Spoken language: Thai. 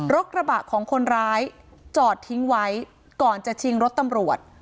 กระบะของคนร้ายจอดทิ้งไว้ก่อนจะชิงรถตำรวจ